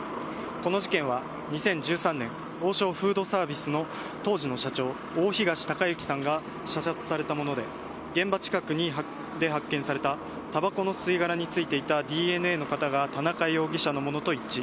この事件は２０１３年、王将フードサービスの当時の社長、大東隆行さんが射殺されたもので、現場近くで発見されたたばこの吸い殻についていたＤＮＡの型が田中容疑者のものと一致。